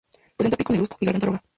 Presenta pico negruzco y garganta roja.